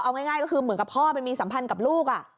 เอาง่ายก็คือเหมือนกับพ่อไปมีสัมพันธ์กับลูก